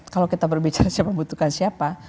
kalau kita berbicara siapa membutuhkan siapa